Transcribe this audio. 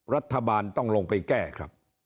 รัฐบาลต้องลงไปแก้ครับ